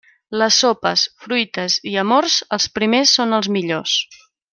Les sopes, fruites i amors, els primers són els millors.